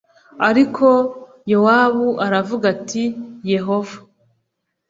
Ariko Yowabu aravuga ati Yehova